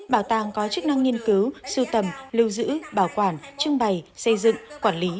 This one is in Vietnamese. bảo tàng có chức năng nghiên cứu sưu tầm lưu giữ bảo quản trưng bày xây dựng quản lý